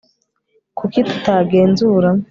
kuki tutagenzura